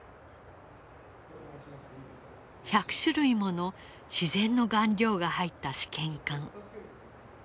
１００種類もの自然の顔料が入った試験管。